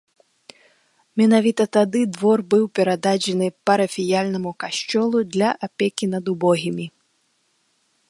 Менавіта тады двор быў перададзены парафіяльнаму касцёлу для апекі над убогімі.